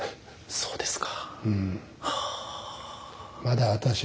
そうですか。